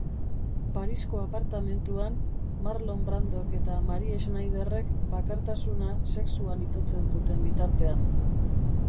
Parisko apartamentuan Marlon Brandok eta Maria Schneiderrek bakartasuna sexuan itotzen zuten bitartean.